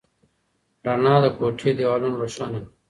رڼا د کوټې دیوالونه روښانه کړل.